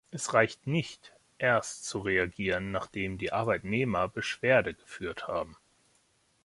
Es reicht nicht, erst zu reagieren, nachdem die Arbeitnehmer Beschwerde geführt haben.